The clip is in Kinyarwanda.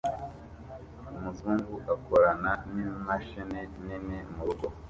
umuzungu akorana nimashini nini murugo